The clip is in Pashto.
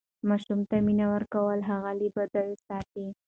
ماسوم ته مینه ورکول هغه له بدیو ساتي.